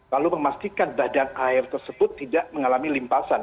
lalu memastikan badan air tersebut tidak mengalami limpasan